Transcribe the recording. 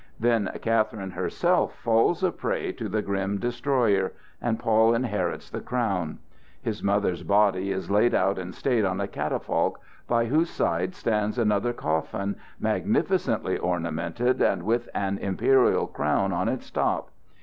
Then Catherine herself falls a prey to the grim destroyer; and Paul inherits the crown. His mother's body is laid out in state on a catafalque, by whose side stands another coffin, magnificently ornamented and with an imperial crown on its top.